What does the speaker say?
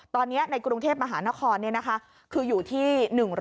ตอนนี้ในกรุงเทพมหานครคืออยู่ที่๑๐๐